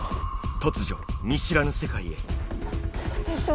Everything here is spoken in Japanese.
突如見知らぬ世界へ・嘘でしょ